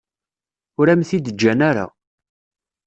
Ur am-t-id-ǧǧan ara.